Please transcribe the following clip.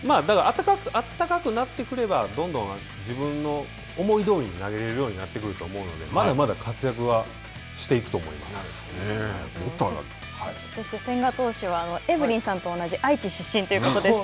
あったかくなってくれば、どんどん自分の思いどおりに投げれるようになってくると思うので、まだまだ活躍はそして千賀投手は、エブリンさんと同じ愛知出身ということですが。